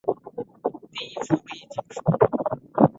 第一次会议结束。